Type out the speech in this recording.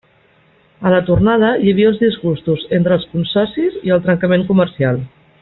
A la tornada hi havia els disgustos entre els consocis i el trencament comercial.